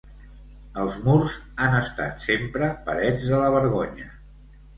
Els murs han estat, sempre, parets de la vergonya.